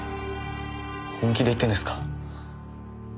本気で言ってんですか？